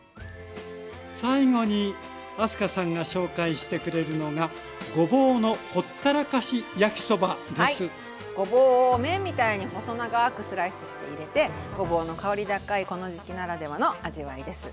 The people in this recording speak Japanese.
最後に明日香さんが紹介してくれるのがはいごぼうを麺みたいに細長くスライスして入れてごぼうの香り高いこの時期ならではの味わいです。